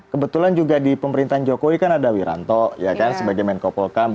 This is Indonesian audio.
kebetulan juga di pemerintahan jokowi kan ada wiranto sebagai menko polkam